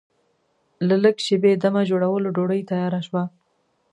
له لږ شېبې دمه جوړولو ډوډۍ تیاره شوه.